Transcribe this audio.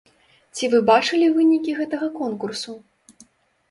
Ці вы бачылі вынікі гэтага конкурсу?